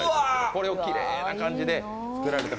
これをきれいな感じで作られて。